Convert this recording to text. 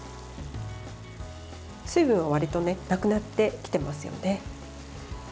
水分がわりとなくなってきてますよね。